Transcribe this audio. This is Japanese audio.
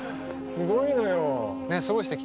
すごいのよ。